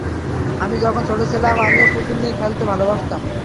আমি যখন ছোট ছিলাম, আমিও পুতুল নিয়ে খেলতে ভালবাসতাম।